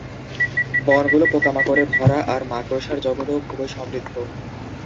বনগুলো পোকামাকড়ে ভরা আর মাকড়সার জগৎও খুবই সমৃদ্ধ।